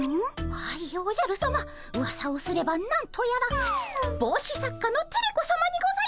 はいおじゃるさまうわさをすれば何とやらぼうし作家のテレ子さまにございます。